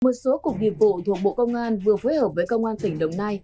một số cục nghiệp vụ thuộc bộ công an vừa phối hợp với công an tỉnh đồng nai